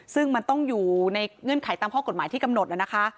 ซึ่งมันต้องอยู่ในเงื่อนไขตามข้อกฎหมายที่กำหนดนะคะ